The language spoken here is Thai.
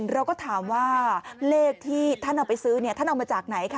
เราก็ถามว่าเลขที่ท่านเอาไปซื้อเนี่ยท่านเอามาจากไหนคะ